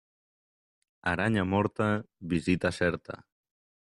Aranya morta, visita certa.